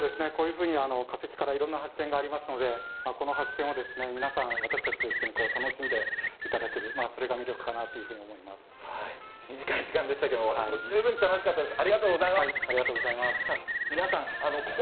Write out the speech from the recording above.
化石からいろんな発見がありますので、この発見を皆さん私たちと一緒に楽しんでいただける短い時間でしたが十分楽しかったです。